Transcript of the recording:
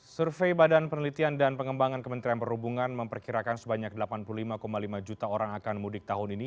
survei badan penelitian dan pengembangan kementerian perhubungan memperkirakan sebanyak delapan puluh lima lima juta orang akan mudik tahun ini